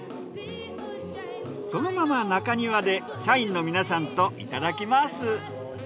そのまま中庭で社員の皆さんといただきます。